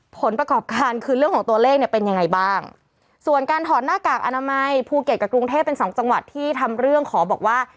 ผลประกอบการคือเรื่องของตัวเลขเนี่ยเป็นยังไงบ้างส่วนการถอดหน้ากากอนามัยภูเก็ตกับกรุงเทพเป็นสองจังหวัดที่ทำเรื่องขอบอกว่า